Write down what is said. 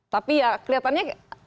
tapi ya kelihatannya